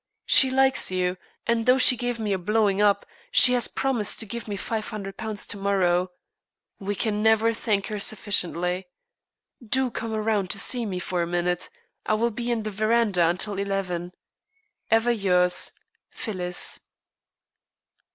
She likes you, and though she gave me a blowing up, she has promised to give me £500 to morrow. We can never thank her sufficiently. Do come around and see me for a minute. I will be in the verandah until eleven. "Ever yours, "PHYLLIS."